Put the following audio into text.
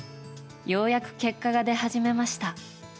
ようやく結果が出始めました。